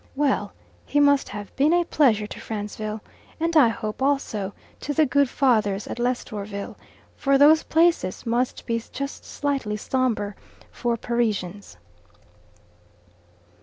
Well! he must have been a pleasure to Franceville, and I hope also to the good Fathers at Lestourville, for those places must be just slightly sombre for Parisians.